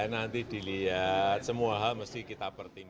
nanti dilihat semua hal mesti kita pertimbangkan